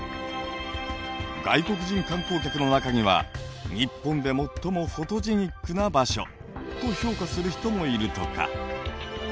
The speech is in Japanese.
外国人観光客の中には日本で最もフォトジェニックな場所と評価する人もいるとか。